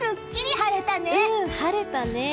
晴れたね。